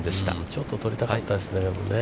ちょっと取りたかったですけどね。